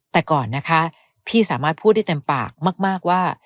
แต่ก่อนนะคะพี่สามารถพูดได้เต็มปากมากว่า